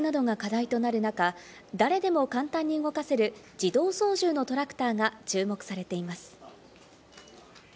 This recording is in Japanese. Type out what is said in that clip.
農業の人手不足などが課題となる中、誰でも簡単に動かせる自動操縦のトラクターが注目されています。